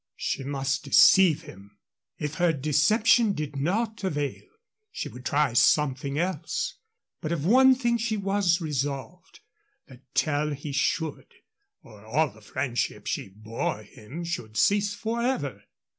She must deceive him. If her deception did not avail, she would try something else; but of one thing she was resolved that tell he should, or all the friendship she bore him should cease forever.